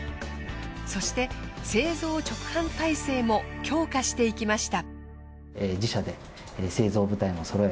そして製造直販体制も強化していきました。